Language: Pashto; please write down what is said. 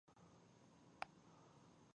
ښارونه د افغانستان د سیلګرۍ یوه برخه ده.